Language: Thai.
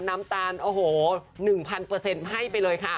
น้ำตาลโอ้โหหนึ่งพันเปอร์เซ็นต์ให้ไปเลยค่ะ